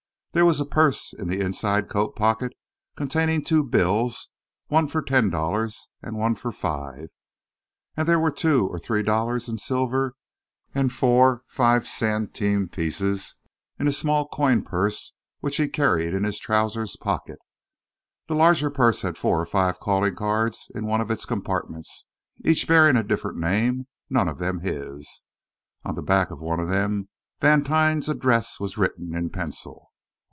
There was a purse in the inside coat pocket containing two bills, one for ten dollars and one for five, and there were two or three dollars in silver and four five centime pieces in a small coin purse which he carried in his trousers' pocket. The larger purse had four or five calling cards in one of its compartments, each bearing a different name, none of them his. On the back of one of them, Vantine's address was written in pencil.